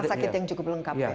rumah sakit yang cukup lengkap ya